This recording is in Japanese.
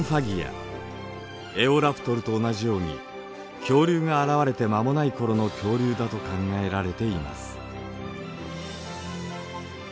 エオラプトルと同じように恐竜が現れて間もない頃の恐竜だと考えられています。